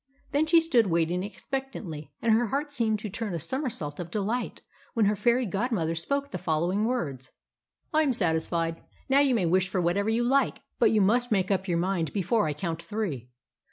Then she stood waiting expectantly. And her heart seemed to turn a somersault of delight when her fairy godmother spoke the following words: "I am satisfied. Now you may wish for whatever you like. But you must make up your mind before I count three."